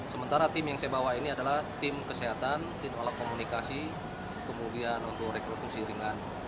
sementara tim yang saya bawa ini adalah tim kesehatan tim alat komunikasi kemudian untuk rekrut ringan